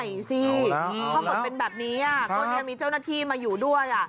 ดูสิถ้าหมดเป็นแบบนี้ก็ยังมีเจ้าหน้าที่มาอยู่ด้วย